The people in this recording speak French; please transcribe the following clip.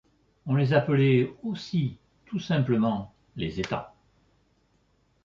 On les appelait aussi tout simplement les états.